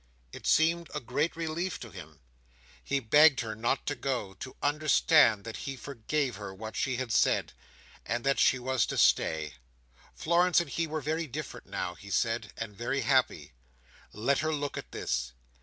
It seemed a great relief to him. He begged her not to go; to understand that he forgave her what she had said; and that she was to stay. Florence and he were very different now, he said, and very happy. Let her look at this!